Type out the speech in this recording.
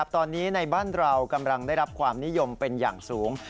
ตอนนี้ในบ้านเรากำลังได้รับความนิยมเป็นอย่างสูง